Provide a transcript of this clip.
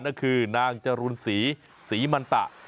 นั่นคือนางจรูนศรีศรีมันตะ